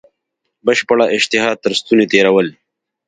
بشپړه اشتها تر ستوني تېرول.